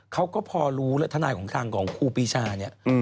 เขาก็พอรู้แล้วทนายของทางของครูปีชาเนี่ย